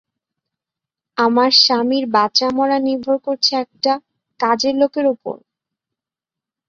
আমার স্বামীর বাঁচা-মরা নির্ভর করছে একটা, কাজের লোকের উপর!